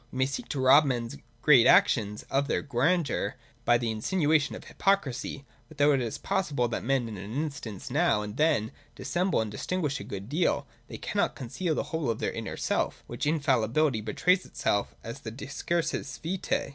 We may seek to rob men's great actions of their grandeur, by the insinuation of hypocrisy ; but, though it is possible that men in an instance now and then may dis semble and disguise a good deal, they cannot conceal the whole of their inner self, which infallibly betrays itself in the decursus vitae.